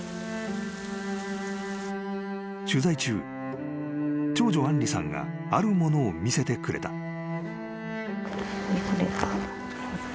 ［取材中長女杏梨さんがあるものを見せてくれた］